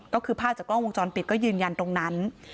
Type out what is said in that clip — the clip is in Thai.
ก็คือภาพจากกล้องวงจรปิดก็ยืนยันตรงนั้น